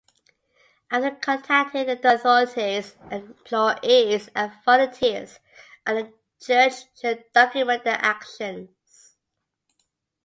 After contacting the authorities, employees and volunteers at the church should document their actions